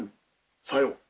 さよう。